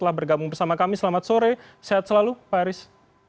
telah bergabung bersama kami selamat sore sehat selalu pak aris